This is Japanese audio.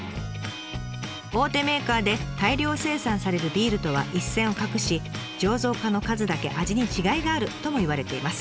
大手メーカーで大量生産されるビールとは一線を画し醸造家の数だけ味に違いがあるともいわれています。